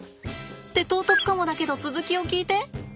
って唐突かもだけど続きを聞いて！